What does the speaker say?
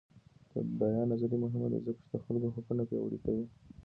د بیان ازادي مهمه ده ځکه چې د خلکو حقونه پیاوړي کوي.